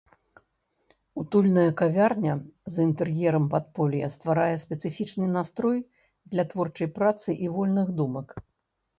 Утульная кавярня з інтэр'ерам падполля стварае спецыфічны настрой для творчай працы і вольных думак.